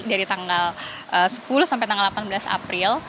dari tanggal sepuluh sampai tanggal delapan belas april